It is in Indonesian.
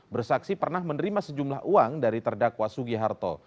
bersaksi pernah menerima sejumlah uang dari terdakwa sugi harto